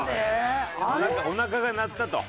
おなかが鳴ったと。